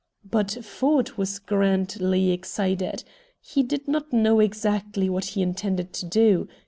But Ford was grandly excited. He did not know exactly what he intended to do.